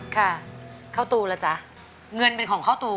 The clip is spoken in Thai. ค่ะเข้าตูล่ะจ๊ะเงินเป็นของเข้าตู